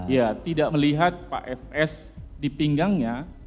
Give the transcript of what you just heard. ya tidak melihat pak fs di pinggangnya